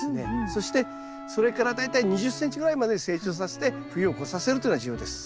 そしてそれから大体２０ｃｍぐらいまで成長させて冬を越させるというのが重要です。